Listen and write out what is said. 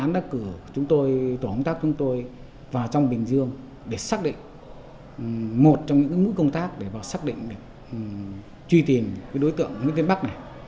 ban chuyên án quyết định lên kế hoạch truy tìm đối tượng nguyễn tiến bắc